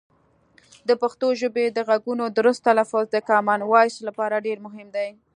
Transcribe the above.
د پښتو ژبې د غږونو درست تلفظ د کامن وایس لپاره ډېر مهم دی.